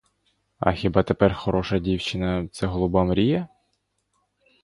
А хіба тепер хороша дівчина — це голуба мрія?